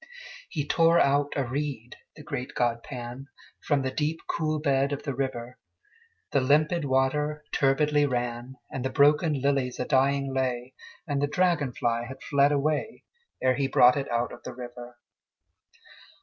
He tore out a reed, the great god Pan, From the deep cool bed of the river: The limpid water turbidly ran, And the broken lilies a dying lay, And the dragon fly had fled away, Ere he brought it out of the river.